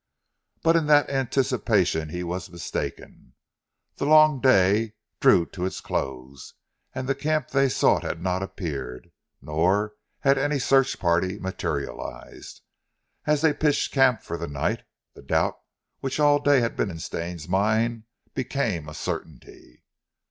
But in that anticipation he was mistaken. The long day drew to its close and the camp they sought had not appeared; nor had any search party materialized. As they pitched camp for the night, the doubt which all day had been in Stane's mind became a certainty.